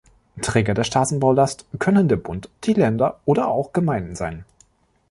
Träger der Straßenbaulast können der Bund, die Länder oder auch Gemeinden sein.